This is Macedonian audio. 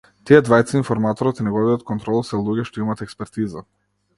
Тие двајца, информаторот и неговиот контролор се луѓе што имаат експертиза.